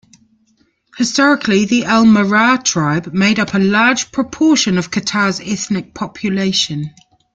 Historically, the Al Murrah tribe made up a large proportion of Qatar's ethnic population.